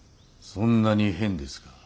そんなに変ですか。